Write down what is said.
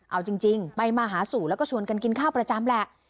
เอาจริงไปมาหาสู่แล้วก็ชวนกันกินข้าวประจำแหละ